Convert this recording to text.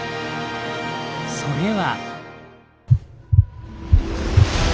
それは。